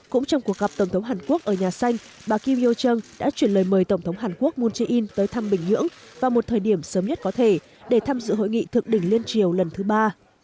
cũng trong cuộc gặp tổng thống hàn quốc ở nhà xanh bà kim youchon đã chuyển lời mời tổng thống hàn quốc moon jae in tới thăm bình nhưỡng vào một thời điểm sớm nhất có thể để tham dự hội nghị thượng đỉnh liên triều lần thứ ba